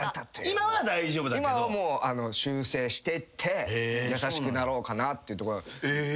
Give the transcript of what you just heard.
今はもう修正してて優しくなろうかなっていう。